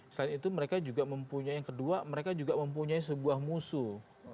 selain itu mereka juga mempunyai sebuah musuh